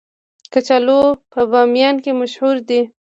کچالو په بامیان کې مشهور دي